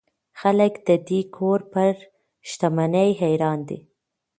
خلک د دې کور پر شتمنۍ حیران دي.